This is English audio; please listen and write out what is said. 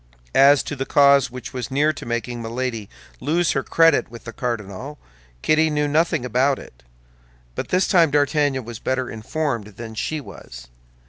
As to the cause which was near making Milady lose her credit with the cardinal, Kitty knew nothing about it; but this time D'Artagnan was better informed than she was.